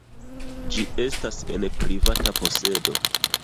Ĝi estas en privata posedo.